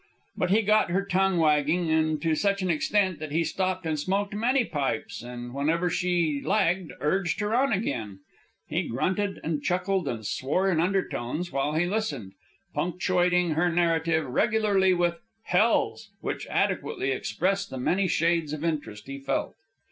But he got her tongue wagging, and to such an extent that he stopped and smoked many pipes, and whenever she lagged, urged her on again. He grunted and chuckled and swore in undertones while he listened, punctuating her narrative regularly with hells! which adequately expressed the many shades of interest he felt.